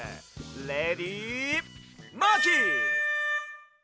レディマーキー！